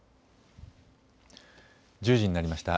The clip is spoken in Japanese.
１０時になりました。